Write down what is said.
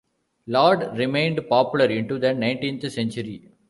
"Laude" remained popular into the nineteenth century.